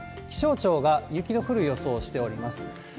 気象庁が雪の降る予想をしております。